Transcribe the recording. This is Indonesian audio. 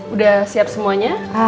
udah siap semuanya